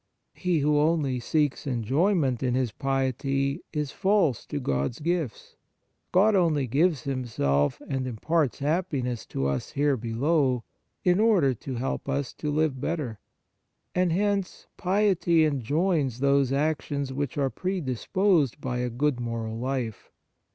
He who only seeks enjoyment in his piety is false to God s gifts. God only gives Himself and imparts happiness to us here below, in order to help us to live better. And hence, piety enjoins those actions which are presupposed by a good moral life.